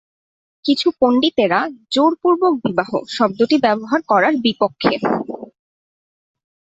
কিছু পণ্ডিতেরা "জোরপূর্বক বিবাহ" শব্দটি ব্যবহার করার বিপক্ষে।